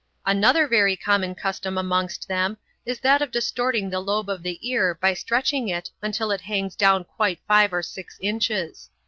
Another very common custom amongst them is that of distorting the lobe of the ear by stretching it until it hangs down quite five or six inches.